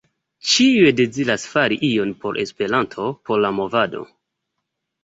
Ĉiuj deziras fari ion por Esperanto, por la movado.